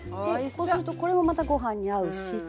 こうするとこれもまたご飯に合うし。